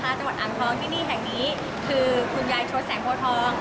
จังหวัดอ่างทองที่นี่แห่งนี้คือคุณยายชดแสงโพทอง